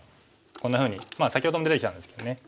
こんなふうに先ほども出てきたんですけどね